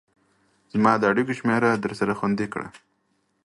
زما د اړيكو شمېره درسره خوندي کړئ